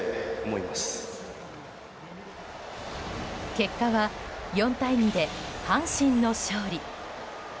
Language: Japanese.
結果は４対２で阪神の勝利。